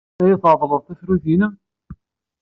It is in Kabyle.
Ad iyi-treḍled tafrut-nnem?